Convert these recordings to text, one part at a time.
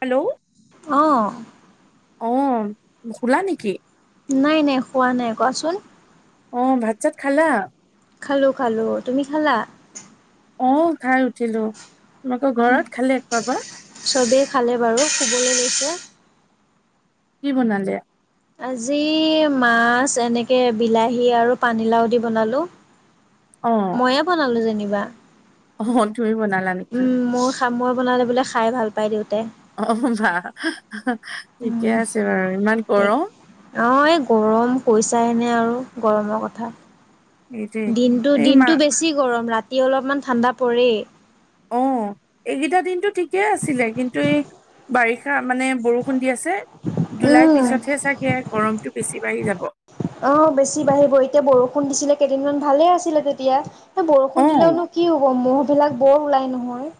Hello অ'হ অ' শুলা নেকি? নাই-নাই, শোৱা নাই কোৱাচোন? অ' ভাত-চাত খালা? খালোঁ-খালোঁ। তুমি খালা? অ' খাই উঠিলোঁ, তোমালোকৰ ঘৰত খালে একোৱাব? চবেই খালে বাৰু, শুবলৈ লৈছে। কি বনালে? আজি মাছ এনেকে বিলাহী আৰু পানীলাও দি বনালোঁ। অ মইয়ে বনালো যেনিবা। অ' তুমি বনালা নেকি? অ' মই বনালে বোলে খাই ভাল পায় দেউতাই। অ' বাহ ঠিকে আছে বাৰু, ইমান গৰম অ' এই গৰম পৰিছে এনে আৰু গৰমৰ কথা এইটোৱে দিনটো, এই মা দিনতো বেছি গৰম, ৰাতি অলপমান ঠাণ্ডা পৰেই। অ' এইকেইটা দিনতো ঠিকেই আছিলে, কিন্তু এই বাৰিষা মানে বৰষুণ দি আছে। উম, জুলাই পিছতহে চাগে গৰমতো বেছি বাঢ়ি যাব। অ' বেছি বাঢ়িব। এতিয়া বৰষুণ দিছিলে, কেইদিনমান ভালে আছিলে তেতিয়া। এই অ বৰষুণ দিলেওনো কি হ'ব, মহ' বিলাক বৰ ওলাই নহয়।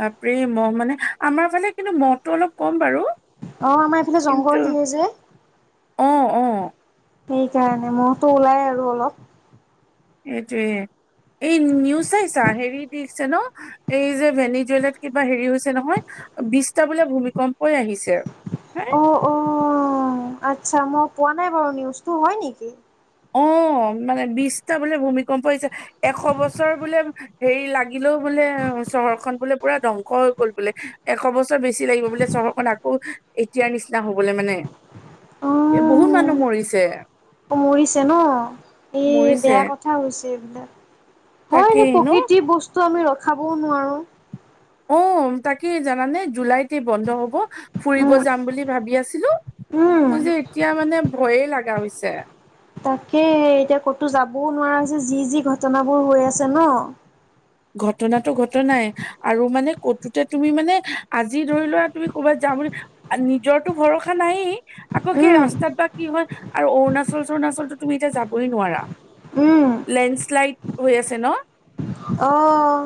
বাপৰে মহ মানে আমাৰ ফালে কিন্তু মহটো অলপ কম বাৰু। অহ আমাৰ এইফালে কিন্তু জংঘল ঢেৰ যে। অ অ সেইকাৰণে, মহতো ওলাই আৰু অলপ। সেইটোয়ে এই নিউজ চাইছা? হেৰি দিছে ন এই যে ভেনিজুৱেলাত কিবা হেৰি হৈছে নহয়, বিছটা বোলে ভূমিকম্পই আহিছে। হে অ অ, আচ্ছা মই পোৱা নাই বাৰু নিউজটো, হয় নেকি? অ মানে বিছটা বোলে ভূমিকম্প হৈছে। এশ বছৰ বোলে হেৰি লাগিলেও বোলে চহৰখন বোলে পুৰা ধ্বংস হৈ গল বোলে। এশ বছৰ বেছি লাগিব বোলে চহ ৰ খন আকৌ এতিয়াৰ নিচিনা হবলে মানে। এ বহুত অহ মানুহ মৰিছে। মৰিছে ন', এই মৰিছে বেয়া কথা হৈছে এইবিলাক, হয় এনে তাকেই ন প্ৰকৃতি বস্ তু আমি ৰখাবও নোৱাৰোঁ। অউম, তাকে জানানে জুলাইতে বন্ধ হ'ব ফুৰিব উম যাম বুলি ভাবি আছিলো। উম মই যে এতিয়া মানে ভয়ে লাগ া হৈছে। তাকেই এতিয়া ক'তো যাবও নোৱাৰা হৈছে যি যি ঘটনাবোৰ হৈ আছে ন'! ঘটনাটো ঘটনাই আৰু মানে কতোতে তুমি মানে আজি ধৰি লোৱা তুমি ক'বাত যা তাৰমান নিজৰতো ভৰসা নায়েই আকৌ সেই উম ৰাস্তাত বা কি হয় আৰু অৰুণাচল-চৰুণাচলতো তুমি এতিয়া যাবই নোৱাৰা। উম, লেণ্ডশ্লাইড হৈ আছে ন? অঁ।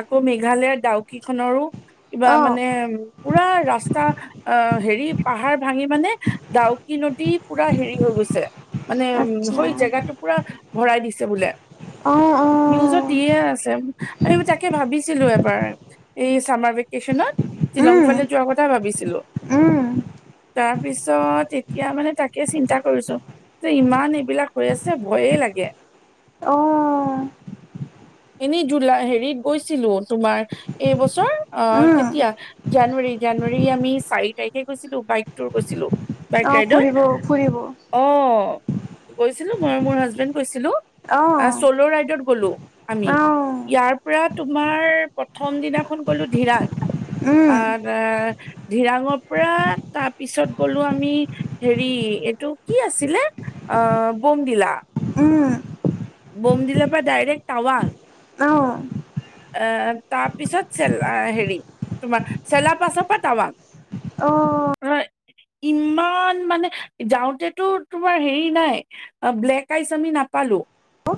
আকৌ মেঘালয়ৰ ডাউকিখনৰো কিবা অ', মানে পুৰা ৰাস্তা অ হেৰি পাহাৰ ভাঙি মানে ডাউকি নদী পুৰা হেৰি হৈ গৈ মানে উ আচ্ছা। হৈ জেগাটো পুৰা ভৰাই দিছে বোলে। অ', অ। নিউজত দিয়ে আছে, আমি তাকে ভাবিছিলো এবাৰ এই চামাৰ ভেকেশচনত! উম, শ্বিলংফালে যোৱা কথা ভাবিছিলো! উম, তাৰ পিছত এতিয়া মানে তাকে চিন্তা কৰিছো! যে ইমান এইবিলাক হৈ আছে ভয়ে লাগে। অ এনে জুলাই হেৰিত গৈছিলো তোমাৰ এই বছৰ আহ উম, কেতিয়া জানুৱাৰী জানুৱাৰী আমি চাৰি তাৰিখে গৈছিলো, বাইক ৰ গৈছিলো। বাইক অ', ফুৰিব ফুৰিব ৰাইডত অ' গৈছিলো, মই মোৰ হাজবেণ্ড গৈছিলো আ অ', চ'ল' ৰাইডত গ'লো আমি। অ', ইয়াৰ পৰা তোমাৰ প্ৰথম দিনাখন গলো ধিৰাং, আ উম, ধিৰাঙৰ পৰা তাৰপিছত গলো আমি হেৰি এইটো কি আছিলে অ' বোমডিলা। উম, বমডিলা পৰা ডাইৰেক্ট টাৱাং। অ', আহ তাৰপিছত চেলা হেৰি তোমাৰ চেলা পাছ পা তাৱাং। অ', ইমান মানে যাওঁতেতো তোমাৰ হেৰি নাই ব্লেক আইচ আমি নাপালো!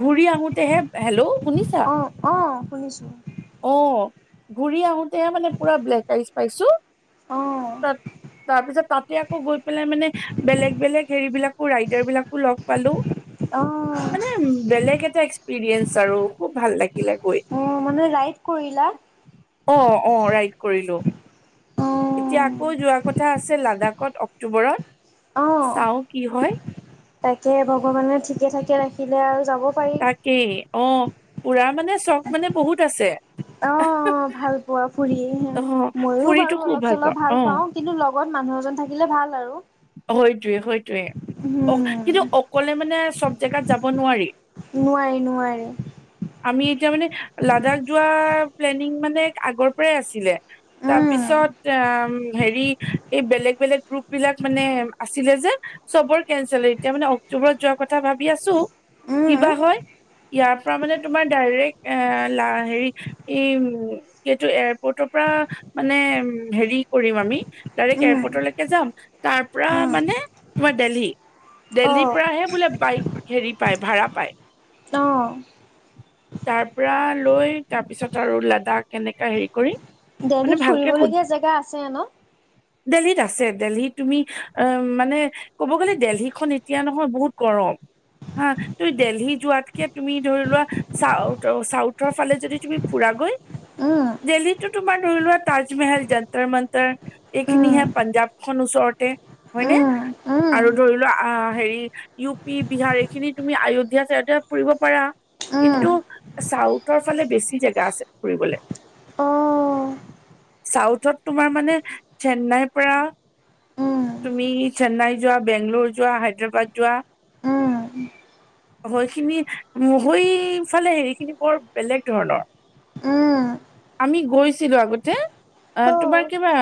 ঘূৰি আহোতে হে হেল্ল' শুনিছা? অ', অ', শুনিছোঁ অ'হ ঘূৰি আহোতেহে মানে পুৰা ব্লেক আইচ পাইছো, অ', তাত তাৰ পিছত তাতে আকৌ গৈ পেলাই মানে বেলেগ বেলেগ হেৰি বিলাকো ৰাইডাৰ বিলাকো লগ পালো, অ'হ মানে বেলেগ এটা এক্সপিৰিয়েন্ঞ্চ আৰু খুব ভাল লাগিলে গৈ। অ মানে ৰাইড কৰিলা? অ' অ' ৰাইড কৰিলো। এতিয়া অ', আকৌ যোৱা কথা আছে লাডাকত অক্টোবৰত। অ', চাওঁ কি হয়? তাকে ভগৱানে ঠিকে ঠাকে ৰাখিলে আৰু যাব পাৰি। তাকেই অ' ফুৰা মানে চখ মানে বহুত আছে। অ' ভাল পোৱা ফুৰি হে, অ মইয়ো ফুৰিতো বাৰু খুব অলপ চলপ ভাল অ পাওঁ। কিন্তু লগ লগত মানুহ এজন থাকিলে ভাল আৰু। হয়তোৱে-হয়তোৱে অ' কিন্তু উম, অকলে মানে চব জেগাত যাব নোৱাৰি। নোৱাৰে-নোৱাৰে। আমি এতিয়া মানে লাডাখ যোৱা প্লেনিং মানে আগৰ পৰাই আছিলে, উম, তাৰপিছত তাৰপিছত হেৰি এই বেলেগ-বেলেগ গ্ৰুপ বিলাক মানে আছিলে যে চবৰ কেঞ্চেল, এতিয়া মানে অক্টোবৰত যোৱাৰ কথা ভাবি আছোঁ। উম, কিবা হয় ইয়াৰ পৰা মানে তোমাৰ ডাইৰেক্ট এ লা হেৰি এই উম' এইটো এয়াৰপৰ্টৰ পা মানে হেৰি কৰিম আমি ডাইৰেক্ট উম, এয়াৰপৰ্টলৈকে যাম, তাৰ পৰা উম, মানে তোমাৰ দিল্লী। দিল্লী অ', পৰাহে বোলে বাইক, হেৰি পায় ভাড়া পায়। অ', তাৰ পৰা লৈ তাৰপিছত আৰু লাডাখ কেনেকা হেৰি কৰি। মানে দিল্লীত ভালকে ফুৰিবলগীয়া জেগা আছে ন? দিল্লীত আছে। দিল্লী তুমি অ' মানে ক'ব গ'লে দিল্লীখন এতিয়া নহয় বহুত গৰম। হা ত দিল্লী যোৱাতকে তুমি ধৰি লোৱা, চাউ চাউথৰ ফালে যদি তুমি ফুৰা গৈ উম, দিল্লীটো তোমাৰ ধৰি লোৱা তাজমেহল যান্ত্ৰৰ মান্ত্ৰৰ উম, এইখিনিহে। পাঞ্জাৱ খন ওচৰত তে হয়নে? উম, আৰু উম, ধৰি লোৱা আহ, হেৰি ইউ পি বিহাৰ এইখিনি তুমি আয়োধ্যা-চায়োধ্যা ফুৰিব পাৰা। উম, কিন্তু চাউথৰ ফালে বেছি জেগা আছে ফুৰিবলে। অ'। চাউথত তোমাৰ মানে, চেন্নাইৰ পৰা উম, তুমি চেন্নাই যোৱা, বেংগলোৰ যোৱা, হায়দৰাবাদ যোৱা। উম, হয়খিনি মো হৈইফালে হেৰিখিনি বৰ বেলেগ ধৰণৰ। উম। আমি গৈছিলো আগতে অ তোমাৰ কিবা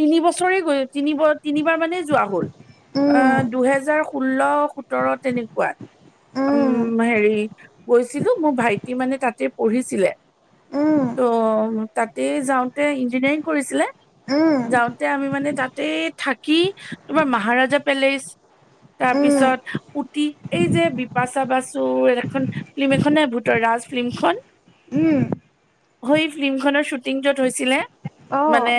তিনিবছৰে গৈ তিনি তিনিবাৰ মানেই যোৱা হ'ল উম, অহ, দুহেজাৰ ষোল্ল সোতৰ তেনেকুৱাত। উম হেৰি গৈছিলো মোৰ ভাইটি মানে তাতে পঢ়িছিলে ত' তাতে যাওঁতে ইঞ্জিনিয়াৰিং কৰিছিলে উম, যাওঁতে আমি মানে তাতে থাকি তোমাৰ মহাৰাজা পেলেচ উম, তাৰপিছত এই যে বিপাচা বাচুৰ এখন ফিল্ম এখননে ভূতৰ ৰাজ ফিল্মখন উম সৈ ফিল্মখনৰ শ্বুটিংটোত হৈছিলে অ', মানে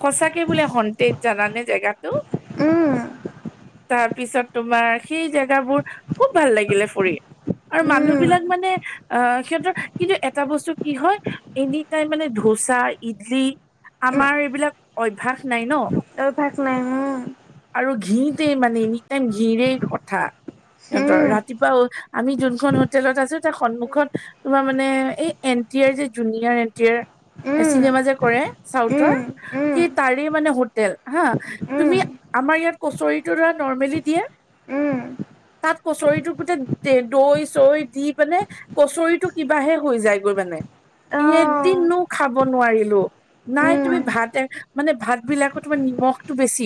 সচাকে বোলে হণ্ন্তেজ জানা নে জেগাটো উম, তাৰপিছত তোমাৰ সেই জেগাবোৰ খুব ভাল লাগিলে ফুৰি। আৰু মানুহ উম, বিলাক মানে আহ সিহঁতৰ কিন্তু এটা বস্তু কি হয় এনি টাইম মানে ধোচা, ইডলি উম, আমাৰ এইবিলাক অভ্যাস নাই ন'। অভ্যাস নাই উম আৰু ঘিতেই মানে এনি টাইম ঘিৰেই কথা সিহঁতৰ, ৰাতিপুৱাও আমি যোনখন হোটেলত আছো তাৰ সন্মুখত তোমাৰ মানে এই এন টি আৰ যে জুনিয়ৰ এন টি আৰ উম, চিনেমা যে কৰে চাউথৰ উম, উম, কি তাৰে মানে হোটেল হা উম, তুমি উম, আমাৰ ইয়াত কচৰিটো দৰা নৰ্মেলি দিয়ে উম, তাত কচৰিটো গোটেই দৈ চৈ দি পান কচৰিটো কিবাহে হৈ যায়গৈ মানে অ', এদিনো খাব নোৱাৰিলোঁ নাই তুমি উম, ভাত মানে ভাতবিলাকত তাৰ নিমখ টো বেছি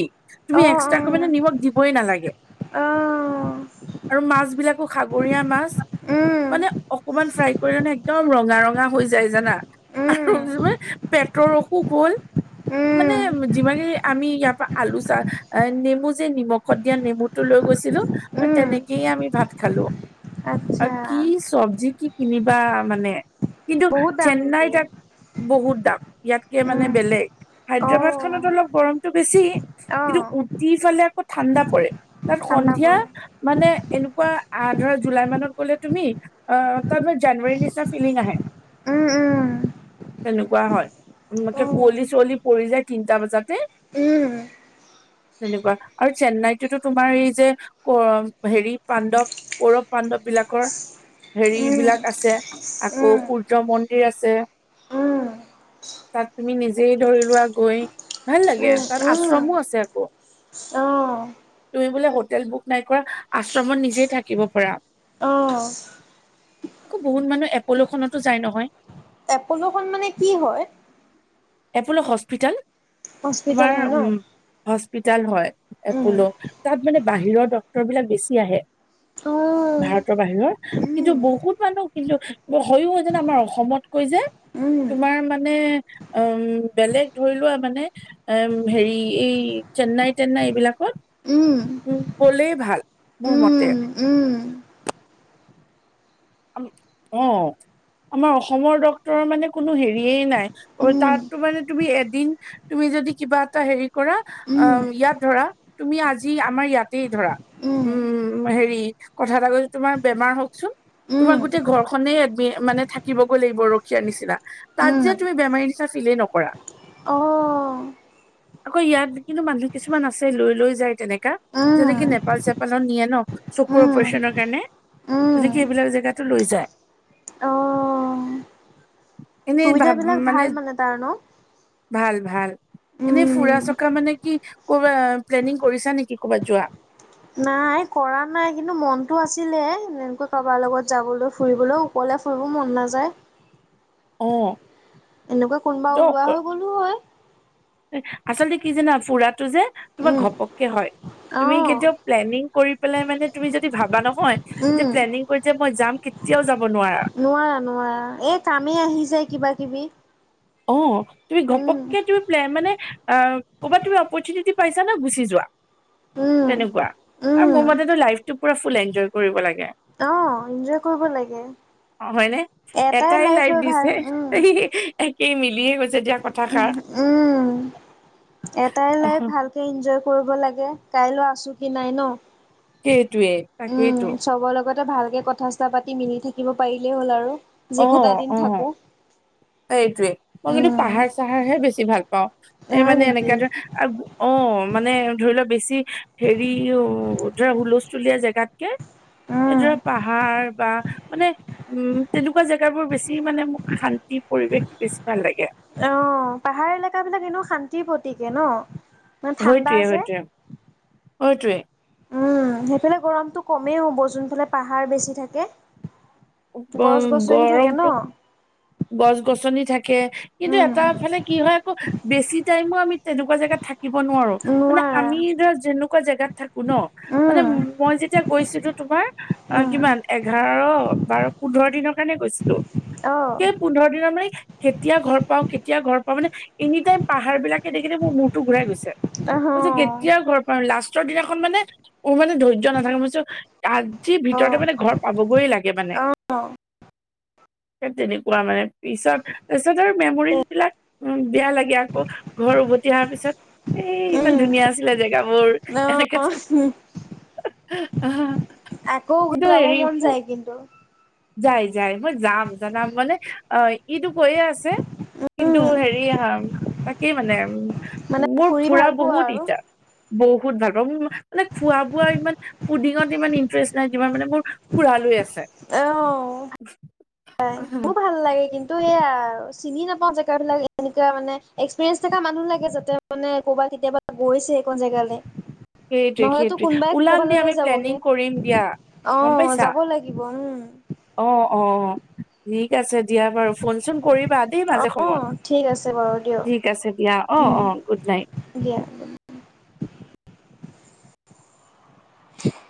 তুমি অ', অ', অ', এক্সট্ৰাকে মানে নিমখ দিবই নালাগে। আৰু মাছবিলাকো সাগৰীয়া মাছ। উম, মানে অকমান ফ্ৰাই কৰিলোনে একদম ৰঙা ৰঙা হৈ যায় জানা আৰু উম, যিমান পেটৰ অসুখ হ'ল, মানে উম, যিমানে আমি ইয়াৰ পৰা আলু চা নেমু যে নিমখত দিয়া নেমুটো লৈ গৈছিলোঁ। উম, তেনেকেইয়ে আমি ভাত খালো অ আচ্ছা কি চবজি কি কিনিবা মানে কিন্তু বহুত দাম চেন্নাই নেকি? তাক বহুত দাম ইয়াতকে মানে উম, বেলেগ হায়দৰাবাদ অ', খানত অলপ গৰমতটো বেছি কিন্তু অ', উটি ফালে আকৌ ঠাণ্ডা পৰে তাত ঠাণ্ডা সন্ধিয়া পৰে মানে এনেকুৱা আহ ধৰা জুলাই মানত গ'লে তুমি অ তাত জানুৱাৰীৰ নিচিনা ফিলিং আহে উম, তেনেকুৱা হয়, উম, কুঁৱলী চুৱলী পৰি যায়। তিনিটা বজাতে উম, তেনেকুৱা আৰু চেন্নাইততো তোমাৰ এই যে হেৰি পাণ্ডৱ কৌৰৱ পাণ্ডৱ বিলাকৰ। উম, উম, হেৰিবিলাক আছে আকৌ সূৰ্য মন্দিৰ আছে উম, তাত তুমি নিজেই ধৰি লোৱা গৈ ভাল লাগে উম, উম, তাত উম আশ্ৰমো আছে আকৌ অ', তুমি বোলে হোটেল বুক নাই কৰা আশ্ৰমত নিজেই থাকিব পাৰা আহঁ আকৌ বহুত মানুহ এপ'লো খতো যায় নহয় এপলোখন মানে কি হয় এপলো হস্পিতালত হস্পিটেল তোমাৰ হয় ন? উম হস্পিতাল হয় উম। এপলো তাত মানে বাহিৰৰ ড্ক্তৰ বিলাক বেছি আহে অ', ভাৰতৰ বাহিৰৰ কিন্তু উম, বহুত মানুহ কিন্তু হয়ো জানা যেন আমাৰ অসমত কৈ যে। উম, তোমাৰ মানে উম বেলেগ ধৰি লোৱা মানে এ হেৰি এই চেন্নাই তেন্নাই এইবিলাকত উম, ক'লেই ভাল মোৰ মতে। উম, উম, অ আমাৰ অসমৰ ডাক্তৰৰ মানে কোনো হেৰিয়েই নাই উম, তাতটো মানে তুমি এ দিন, তুমি যদি কিবা এটা হেৰি কৰা, অ উম, ইয়াত ধৰা তুমি আজি আমাৰ ইয়াতেই ধৰা উম হেৰি, কথা এটা ক'লে তোমাৰ বেমাৰ হওকচোন। তোমাৰ উম, গোটেই ঘৰখনে মানে থাকিবগৈ লাগিব ৰখিয়াৰ নিচিনা, তাত উম, যে তুমি বেমাৰী িলেই নকৰা অ', আকৌ ইয়াত কিন্তু মানুহ কিছুমান আছে লৈ-লৈ যায় তেনেক উম, যেনেকে নেপাল চেপালৰ নিয়ে ন চকুৰ উম, অপাৰেচনৰ কাৰণে উম, তেনেকে এইবিলাক যে ইয়াতো লৈ যায়। অ', এনেই ভ সুবিধাবিলাক মানে, ভাল তাৰ ন? ভাল ভাল। এনেই উম, ফুৰা-চকা মানে কি ক'ব প্লেনিং কৰিছা নেকি কবাত যোৱা? নাই কৰা নাই কিন্তু মনতটো আছিলে এনেকৈ কাৰোবাৰ লগত যাবলৈ ফুৰিবলৈ অকলে মোৰো মন নযায় অ এনেকুৱা কোনোবা দক ওলোৱা হৈ গ'লো হয়। আচলতে কি জানা ফুৰাটো যে তোমাৰ উম। ঘপককে হয় তুমি অ', কেতিয়াও প্লেনিং কৰি পেলায় মানে তুমি যদি ভাবা নহয়, যে উম, প্লেনিং কৰি যে মই যাম কেতিয়াও যা নোৱাৰা-নোৱাৰা এই কামেই আহি যায় কিবা-কিবি। অ, তুমি ঘপককে তুমি প্লেন বনাই আহ ক'বাত তুমি অপৰচুনিটী পাইছা ন গুচি যোৱা। উম, তেনেকুৱা আৰু উম, মোৰ মতেতো লাইফটো পুৰা ফুল এনজয় কৰিব লাগে। অ', এনজয় কৰিব লাগে। অ, হয়নে এটাই লাইফ লাইট হয় ভাল দিছে। উম, এই মিলিয়ে গৈছে দিয়া। কথাষাৰ উম-উম এটাই লাইভ ভালকে এনজয় কৰিব লাগে কাইলৈ আছোঁ কি নাই ন। টোৱে উম, তাকেইতো। চবৰ লগতে ভালকে কথা চথা পাতি মিলি থাকিব পাৰিলেই হ'ল আৰু যি কেইটা দিন থাকো। এইটোৱে মই কিন্তু উম, পাহাৰ চাহাৰ হে বেছি ভাল পাওঁ এই হয় মানে নেকি এনেকুৱ ধৰে আৰু অ', মানে ধৰি লোৱা বেছি হেৰি ধৰা হুলস্থুলীয়া জেগাতকে এইজে উম। পাহাৰ বা মানে উম, তেনেকুৱা জেগা বোৰ বেছি মানে মোক শান্তি পৰিৱেশটো বেছি ভাল লাগে। অ, পাহাৰ এলেকাবিলাক এনোও শান্তিৰ প্ৰতীকে ন। মানে ঠাণ্ডা যে। সেইটোৱে-সেইটোৱে-সেইটোৱে। উম, সেইফালে গৰমটো কমেই হ'ব যোনফালে পাহাৰ বেছি থাকে। গছ উম, গছনি থাকে ন? গৰমটো গছ-গছনি থাকে কিন্তু উম, এটা ফালে কি হয় আকৌ বেছি টাইম আমি তেনেকুৱা জেগাত থাকি থাকিব নোৱাৰো মানে নোৱাৰা। আমি ধৰা যেনেকুৱা জেগাত থাকো ন মানে উম, মই যেতিয়া গৈছিলো। তোমাৰ অ, উম, কিমান এঘাৰ বাৰু পোন্ধৰ দিনৰ কাৰণে গৈছিলো অ'। সেই পোন্ধৰ দিনৰ মানে কেতিয়া ঘৰ পাও কেতিয়া ঘৰ পাও মানে এনি টাইম পাহাৰ বিলাকে দেখেনে মোৰ মূৰতো ঘূৰাই গৈছে। অ', মইটো কেতিয়াও ঘৰ পাৰো লাষ্টৰ দিনাখন মানে মোৰ মানে ধৈৰ্য্য নাথাকে মইছো আাজিৰ ভিতৰতে অ', মানে ঘৰ পাবগৈ লাগে মানে। অ, তেনেকুৱা মানে পিছত পিছত আৰু মেমৰিজ বিলাক উ বেয়া লাগে আকৌ ঘৰ উভতি অহা পিছত। এ ইমান উম। ধুনীয়া আছিলে জেগাবোৰ এনেকে অ', আকৌ কিন্তু যাব হেৰি মন যায় কিন্তু। জাম মানে অ, ইটো কৈয়ে আছে কিন্তু উম, হেৰি তাকেই মানে উ মানে মোৰ ফুৰি ফুৰা ভাল পোৱা বহুত আৰু। ইটচা বহুত বহুত ভাল পাওঁ মোৰ মানে খোৱা বোৱা ইমান ফুডিঙত ইমান ইন্টাৰেষ্ট নাই যিমান মানে মোৰ ফুৰালৈ লৈ আছে। আহ [unintelligible] উ [unintelligible] মোৰ ভাল লাগে। কিন্তু সেয়া চিনি নাপাও জেগ বিলাক এনেকুৱা মানে এক্সপিৰিয়েঞ্চ থকা মানুহ লাগে যাতে মানে। ক'ৰবাত কেতিয়াবা গৈছে এইখন জেগালে। নহ'লেতো সেইটোৱে-সেইটোৱে কোনোবাই ওলাম ক'বালৈ দিয়া লৈ আমি যাবগে। প্লেনিং কৰিম দিয়া। অ, যাব লাগিব উম, অ-অ ঠিক আছে দিয়া বাৰু ফোন চোন কৰিবা দেই মাজে অ সময়ত। ঠিক আছে বাৰু ঠিক দিয়ক আছে দিয়া অ-অ গুড নাইট। দিয়া। িক [unintelligible]